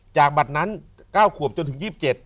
จากบัตรนั้น๙ขวบจนถึง๒๗